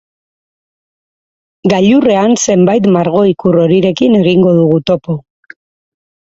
Gailurrean zenbait margo-ikur horirekin egingo dugu topo.